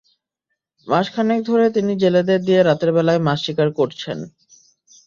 মাস খানেক ধরে তিনি জেলেদের দিয়ে রাতের বেলায় মাছ শিকার করছেন।